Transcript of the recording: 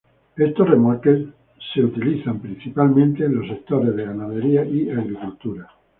Estos remolques, son principalmente utilizados en los sectores de ganadería y agricultura.